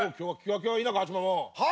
はい。